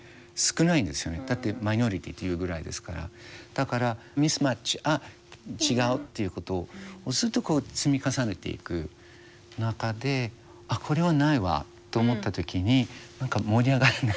だからミスマッチあ違うっていうことをずっとこう積み重ねていく中であこれはないわと思った時に何か盛り上がらない。